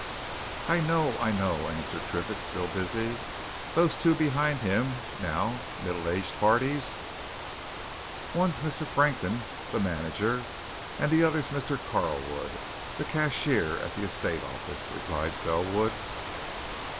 "I know I know," answered Triffitt, still busy. "Those two behind him, now middle aged parties?" "One's Mr. Frankton, the manager, and the other's Mr. Charlwood, the cashier, at the estate office," replied Selwood.